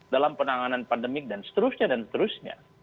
dalam penanganan pandemik dan seterusnya dan seterusnya